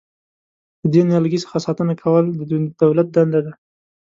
له دې نیالګي څخه ساتنه کول د دولت دنده ده.